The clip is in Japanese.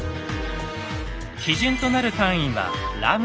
基準となる単位は「λ」。